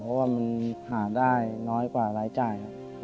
เพราะว่ามันหาได้น้อยกว่ารายจ่ายครับ